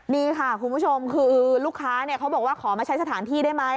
นี่ค่ะคุณผู้ชมคือลูกค้าเขาบอกว่าขอมาใช้สถานที่ได้ไหม